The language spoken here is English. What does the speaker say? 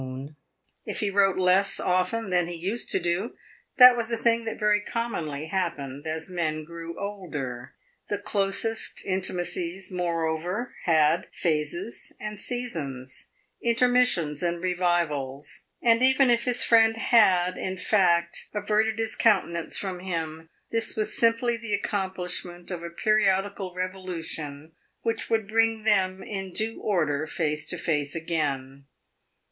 If he wrote less often than he used to do, that was a thing that very commonly happened as men grew older. The closest intimacies, moreover, had phases and seasons, intermissions and revivals, and even if his friend had, in fact, averted his countenance from him, this was simply the accomplishment of a periodical revolution which would bring them in due order face to face again.